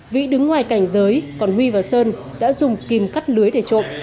vĩ đứng ngoài cảnh giới còn huy và sơn đã dùng kim cắt lưới để trộm